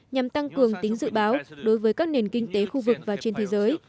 nhằm tăng cường tính dự báo đối với các nền kinh tế khu vực và trên thế giới